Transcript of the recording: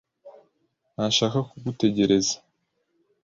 ntashaka kugutegereza.